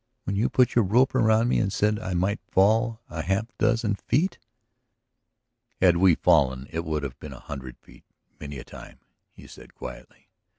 when you put your rope around me and said that I might fall half a dozen feet. ..." "Had we fallen it would have been a hundred feet, many a time," he said quietly.